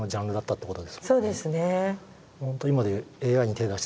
はいそうですね。